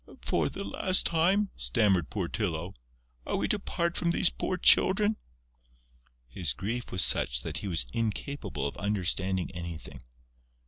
"For the last time?" stammered poor Tylô. "Are we to part from these poor Children?" His grief was such that he was incapable of understanding anything.